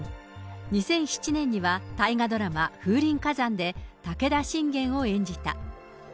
２００７年には大河ドラマ、風林火山で武田信玄を演じた。